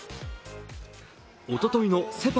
おとといセ・パ